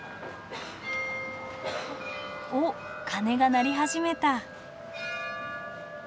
おっ鐘が鳴り始めた。